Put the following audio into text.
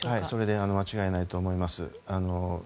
それで間違いないと思います。